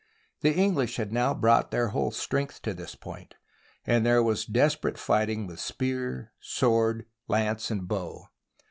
The English had now brought their whole strength to this point, and there was desperate fighting with spear, sword, lance, and bow.